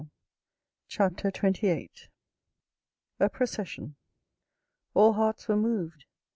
CHAPTER XXVIII A PROCESSION All hearts were moved.